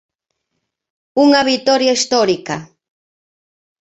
Unha vitoria histórica.